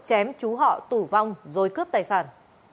chém chú họ tủ vong rồi cướp tài sản